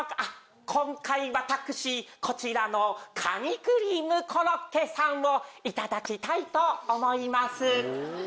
今回私こちらのカニクリームコロッケさんをいただきたいと思います。